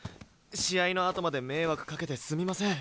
試合のあとまで迷惑かけてすみません。